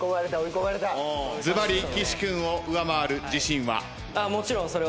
ずばり岸君を上回る自信は？